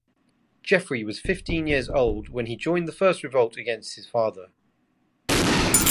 Geoffrey was fifteen years old when he joined the first revolt against his father.